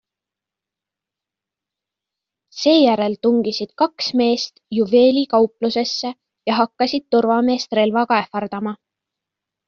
Seejärel tungisid kaks meest juveelikauplusesse ja hakkasid turvameest relvaga ähvardama.